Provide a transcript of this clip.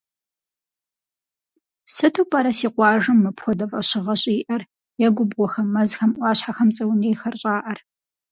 Сыту пӏэрэ си къуажэм мыпхуэдэ фӏэщыгъэ щӏиӏэр е губгъуэхэм, мэзхэм, ӏуащхьэхэм цӏэ унейхэр щӏаӏэр?